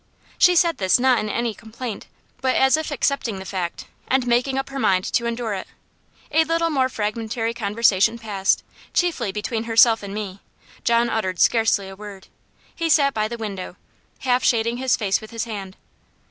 She said this not in any complaint, but as if accepting the fact, and making up her mind to endure it. A little more fragmentary conversation passed, chiefly between herself and me John uttered scarcely a word. He sat by the window, half shading his face with his hand.